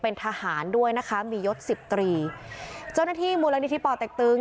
เป็นทหารด้วยนะคะมียศสิบตรีเจ้าหน้าที่มูลนิธิป่อเต็กตึง